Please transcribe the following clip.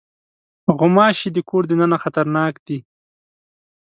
غوماشې د کور دننه خطرناکې دي.